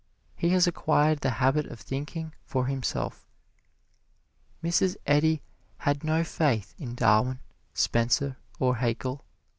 He has acquired the habit of thinking for himself. Mrs. Eddy had no faith in Darwin, Spencer or Haeckel.